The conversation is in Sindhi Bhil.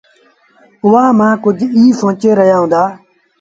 اُئآݩٚ مآݩٚ ڪجھ ايٚ سوچي رهيآ هُݩدآ تا